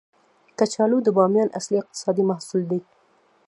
کچالو د بامیان اصلي اقتصادي محصول دی